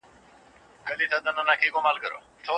که رواج وي خلک ورته غاړه ايږدي.